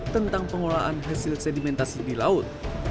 tentang pengelolaan hasil sedimentasi di laut